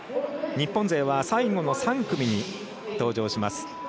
日本勢は最後の３組に登場します。